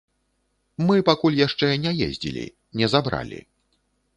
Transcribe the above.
Мы пакуль яшчэ не з'ездзілі, не забралі.